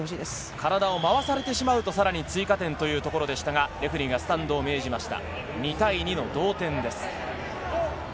体を回されてしまうと追加点というところでしたがレフェリーがスタンドを命じました。